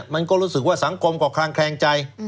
มันก็รู้สึกว่าสังคมก็คลางแคลงใจ